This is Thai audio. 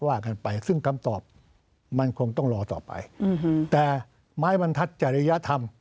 ว่ากันไปซึ่งคำตอบมันคงต้องรอต่อไปแต่ไม้บรรทัศน์จริยธรรม